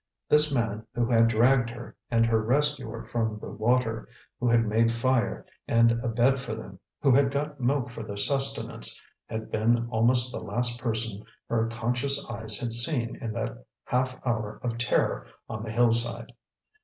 This man who had dragged her and her rescuer from the water, who had made fire and a bed for them, who had got milk for their sustenance, had been almost the last person her conscious eyes had seen in that half hour of terror on the hillside.